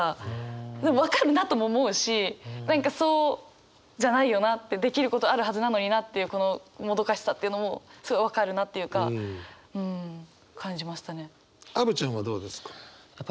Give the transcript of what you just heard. でも分かるなとも思うし何かそうじゃないよなってできることあるはずなのになっていうこのもどかしさっていうのもすごい分かるなっていうかうん感じましたね。